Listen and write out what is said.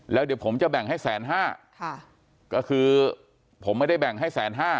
แล้วเดี๋ยวผมจะแบ่งให้แสนห้าค่ะก็คือผมไม่ได้แบ่งให้แสนห้า